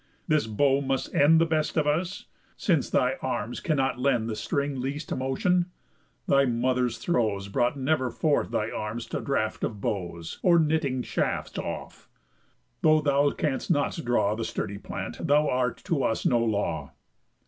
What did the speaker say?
This bow must end The best of us? Since thy arms cannot lend The string least motion? Thy mother's throes Brought never forth thy arms to draught of bows, Or knitting shafts off. Though thou canst not draw The sturdy plant, thou art to us no law.